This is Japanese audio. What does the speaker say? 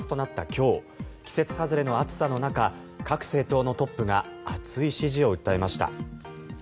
今日季節外れの暑さの中各政党のトップが熱い支持を訴えました。